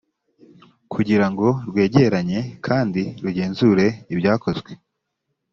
kugira ngo rwegeranye kandi rugenzure ibyakozwe